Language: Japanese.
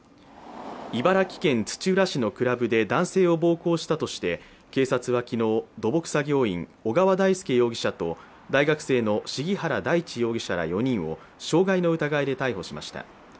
茨城県土浦市のクラブで男性を暴行したとして警察は昨日、土木作業員、小川大輔容疑者と大学生の鴫原大地容疑者ら４人を傷害の疑いで逮捕しました。